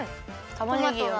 たまねぎが。